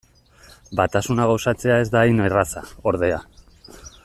Batasuna gauzatzea ez da hain erraza, ordea.